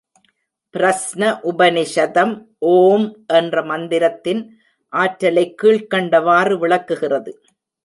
பிரஸ்ன உபநிஷதம் ஓம் என்ற மந்திரத்தின் ஆற்றலைக் கீழ்க் கண்டவாறு விளக்குகிறது.